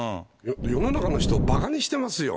世の中の人をばかにしてますよ。